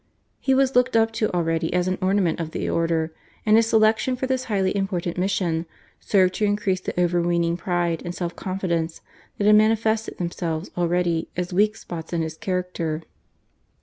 He was looked up to already as an ornament of the order, and his selection for this highly important mission served to increase the over weening pride and self confidence that had manifested themselves already as weak spots in his character.